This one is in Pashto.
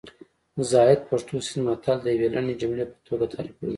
زاهد پښتو سیند متل د یوې لنډې جملې په توګه تعریفوي